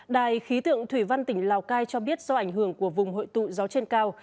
đài khí tượng thủy văn tỉnh lào cai cho biết do ảnh hưởng của vùng hội tụ gió trên cao